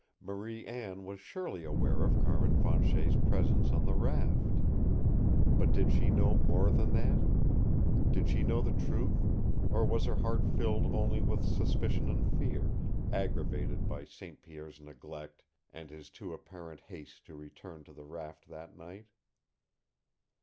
Marie Anne was surely aware of Carmin Fanchet's presence on the raft. But did she know more than that? Did she know the truth, or was her heart filled only with suspicion and fear, aggravated by St. Pierre's neglect and his too apparent haste to return to the raft that night?